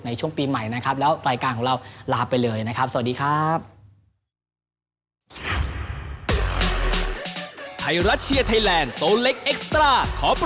ในช่วงปีใหม่นะครับแล้วรายการของเราลาไปเลยนะครับ